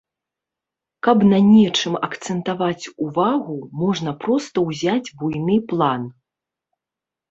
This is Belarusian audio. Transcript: Каб на нечым акцэнтаваць увагу, можна проста ўзяць буйны план.